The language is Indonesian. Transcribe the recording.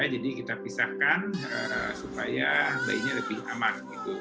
jadi kita pisahkan supaya bayinya lebih aman